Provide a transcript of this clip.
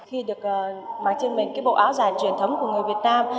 khi được mặc trên mình cái bộ áo dài truyền thống của người việt nam